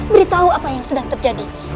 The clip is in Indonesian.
beritahu apa yang sedang terjadi